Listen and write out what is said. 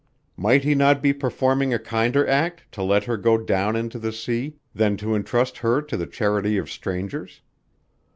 Might he not be performing a kinder act to let her go down into the sea than to entrust her to the charity of strangers?